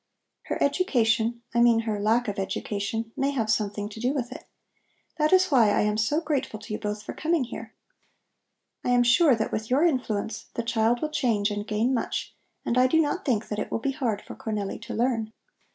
Her education, I mean her lack of education, may have something to do with it. That is why I am so grateful to you both for coming here. I am sure that with your influence the child will change and gain much, and I do not think that it will be hard for Cornelli to learn.